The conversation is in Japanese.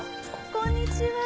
こんにちは。